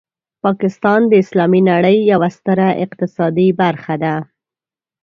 پاکستان د اسلامي نړۍ یوه ستره اقتصادي برخه ده.